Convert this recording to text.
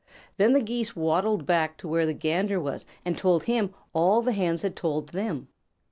Then the Geese waddled back to where the Gander was and told him all the Hens had told them.